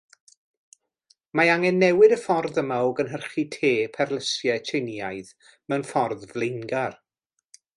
Mae angen newid y ffordd yma o gynhyrchu tê perlysiau Tsieineaidd, mewn ffordd flaengar.